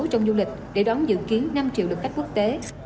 trong du lịch để đón dự kiến năm triệu lượt khách quốc tế